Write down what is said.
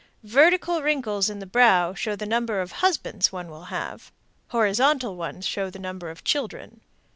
Vertical wrinkles in the brow show the number of husbands one will have. Horizontal ones show the number of children.